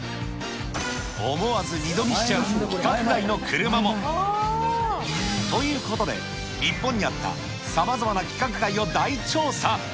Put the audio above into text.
思わず二度見しちゃう規格外の車も。ということで、日本にあったさまざまな規格外を大調査。